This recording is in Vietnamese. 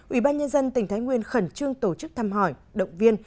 ủy ban nhân dân tỉnh thái nguyên khẩn trương tổ chức thăm hỏi động viên